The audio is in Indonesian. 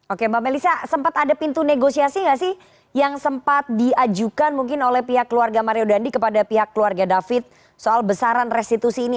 oke mbak melisa sempat ada pintu negosiasi nggak sih yang sempat diajukan mungkin oleh pihak keluarga mario dandi kepada pihak keluarga david soal besaran restitusi ini